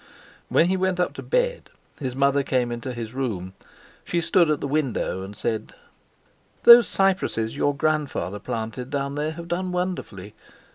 When he went up to bed his mother came into his room. She stood at the window, and said: "Those cypresses your grandfather planted down there have done wonderfully.